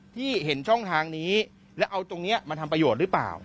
ที่เห็นช่องทางนี้แล้วเอาตรงนี้มาทำประโยชน์หรือเปล่า